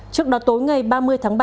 trước đó tối ngày ba mươi tháng ba